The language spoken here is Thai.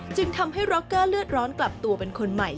จึงทำให้ร็อกเกอร์เลือดร้อนกลับตัวเป็นคนใหม่